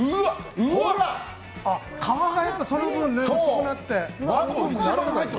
皮がその分、薄くなって。